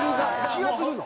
気がするの？